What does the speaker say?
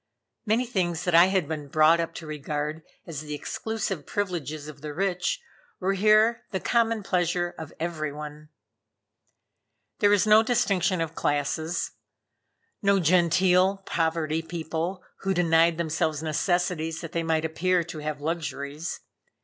Many things that I had been brought up to regard as the exclusive privileges of the rich, were here the common pleasure of every one. There was no distinction of classes; no genteel poverty people, who denied themselves necessities that they might appear to have luxuries.